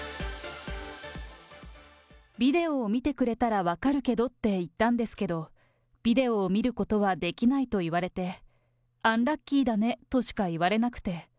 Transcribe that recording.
ビデオを見てくれたら分かるけどって言ったんですけど、ビデオを見ることはできないと言われて、アンラッキーだねとしか言われなくて。